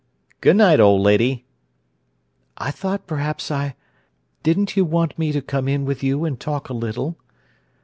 "Good night, old lady!" "I thought perhaps I—Didn't you want me to come in with you and talk a little?"